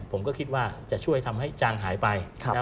ผมก็คิดว่าจะช่วยทำให้จางหายไป